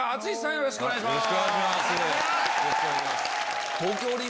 よろしくお願いします。